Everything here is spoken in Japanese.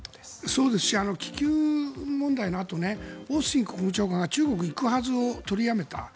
そうですし気球問題のあとオースティン国防長官が中国に行くはずなのを取りやめた。